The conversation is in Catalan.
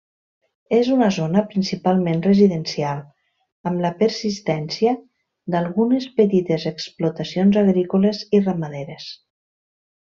És una zona principalment residencial, amb la persistència d'algunes petites explotacions agrícoles i ramaderes.